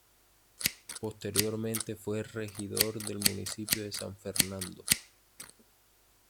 Posteriormente fue regidor del municipio de San Fernando.